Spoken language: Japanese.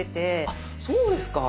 あそうですか。